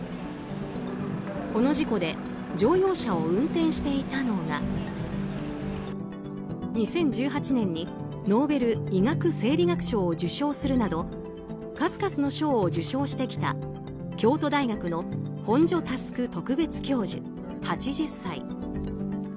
この事故で乗用車を運転していたのが２０１８年にノーベル医学・生理学賞を受賞するなど数々の賞を受賞してきた京都大学の本庶佑特別教授、８０歳。